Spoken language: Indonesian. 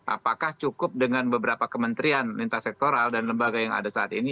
apakah cukup dengan beberapa kementerian lintas sektoral dan lembaga yang ada saat ini